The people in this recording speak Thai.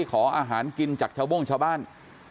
ขออาหารกินจากชาวโบ้งชาวบ้าน